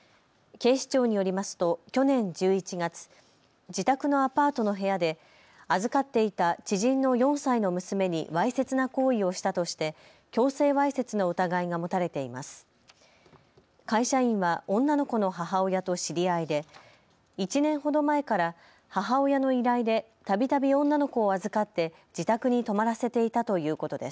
警視庁によりますと去年１１月、自宅のアパートの部屋で預かっていた知人の４歳の娘にわいせつな行為をしたとして強制わいせつの疑いが持たれています。